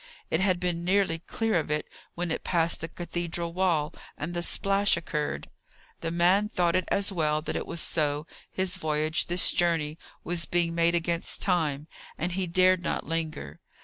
It had been nearly clear of it when it passed the cathedral wall, and the splash occurred. The man thought it as well that it was so; his voyage, this journey, was being made against time, and he dared not linger.